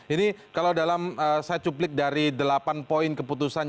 ini kalau dalam saya cuplik dari delapan poin keputusan yang saya katakan ini